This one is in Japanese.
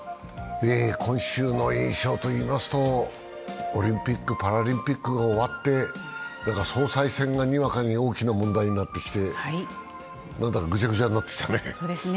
今週の印象と言いますと、オリンピック・パラリンピックが終わって総裁選がにわかに大きな問題になってきてなんだかグジャグジャになってきたね。